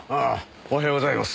おはようございます。